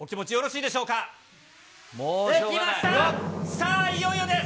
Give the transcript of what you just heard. さあ、いよいよです。